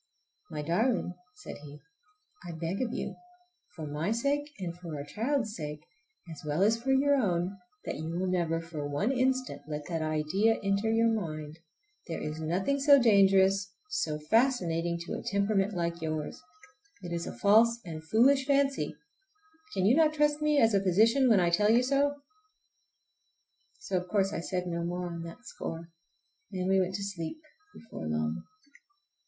"My darling," said he, "I beg of you, for my sake and for our child's sake, as well as for your own, that you will never for one instant let that idea enter your mind! There is nothing so dangerous, so fascinating, to a temperament like yours. It is a false and foolish fancy. Can you not trust me as a physician when I tell you so?" So of course I said no more on that score, and we went to sleep before long.